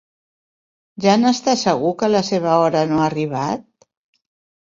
Ja n'està segur que la seva hora no ha arribat?